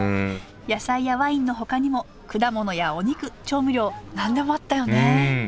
野菜やワインのほかにも果物やお肉調味料何でもあったよねうん！